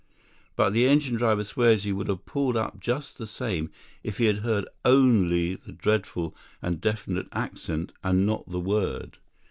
But the engine driver swears he would have pulled up just the same if he had heard only the dreadful and definite accent and not the word.